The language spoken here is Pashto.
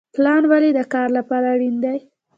پلان ولې د کار لپاره اړین دی؟